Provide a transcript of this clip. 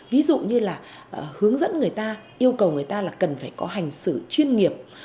ví dụ như là hướng dẫn người ta yêu cầu người ta là cần phải có hành xử chuyên nghiệp